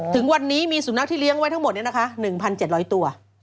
ถึงวันนี้มีสุนัขที่เลี้ยงไว้ทั้งหมด๑๗๐๐ตัว